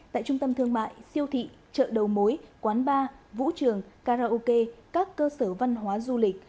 tại trung tâm thương mại siêu thị chợ đầu mối quán bar vũ trường karaoke các cơ sở văn hóa du lịch